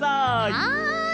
はい！